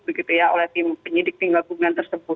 begitu ya oleh tim penyidik tinggal ke lingkungan tersebut